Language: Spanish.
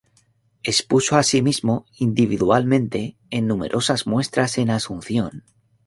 Expuso asimismo, individualmente, en numerosas muestras en Asunción.